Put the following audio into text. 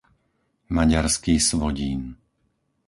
Maďarský Svodín